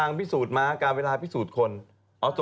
อันนี้มันนานแล้วไม่ใช่หรอ